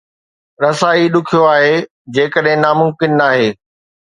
رسائي ڏکيو آهي جيڪڏهن ناممڪن ناهي